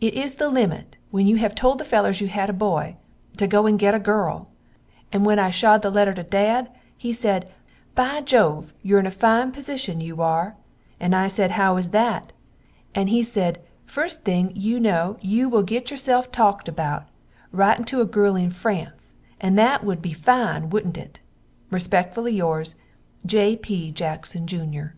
It is the limit when you have told the fellers you had a boy, to go and get a girl, and when I shod the letter to dad he sed by jove youre in a fine posishun you are and I sed how is that, and he sed fust thing you no you will get yourself talkt about, ritin to a girl in France and that would be fine woodnt it? Respectfully yours, J.P. Jackson Jr.